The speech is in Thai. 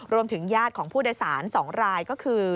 รวมถึงญาติของผู้โดยสารสองรายก็คือ